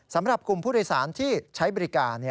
สำหรับกลุ่มผู้โดยสารที่ใช้บริการ